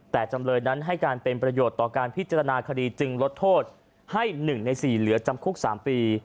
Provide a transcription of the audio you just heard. แต่จำเลยนั้นให้การเป็นประโยชน์ต่อการพิจารณาคดีจึงลดโทษให้๑ใน๔เหลือจำคุก๓ปี